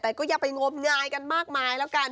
แต่ก็อย่าไปงมงายกันมากมายแล้วกัน